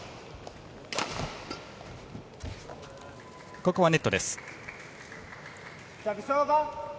ここはネットです。